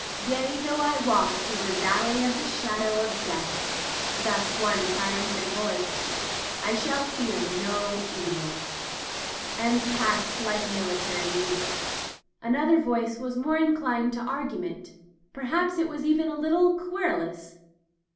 "Yea, though I walk through the Valley of the Shadow of Death'' — thus one trium phant voice — "I shall fear no evil" — ^and passed like military music. Another voice was more inclined to argu ment — perhaps it was even a little querulous.